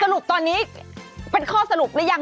สรุปตอนนี้เป็นข้อสรุปหรือยัง